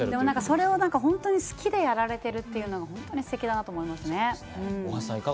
それを本当に好きでやられているのがステキだなと思いますね。